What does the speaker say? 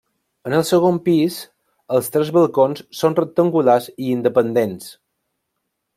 En el segon pis els tres balcons són rectangulars i independents.